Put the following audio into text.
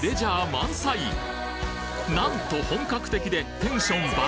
満載なんと本格的でテンション爆